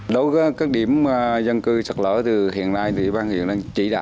đối với các điểm dân cư sạt lở từ hiện nay